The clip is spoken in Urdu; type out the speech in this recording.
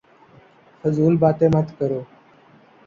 فضول باتیں مت کرو